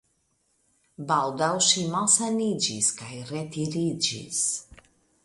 Baldaŭ ŝi malsaniĝis kaj retiriĝis.